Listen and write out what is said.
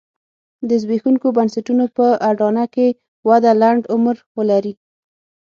د زبېښونکو بنسټونو په اډانه کې وده لنډ عمر ولري.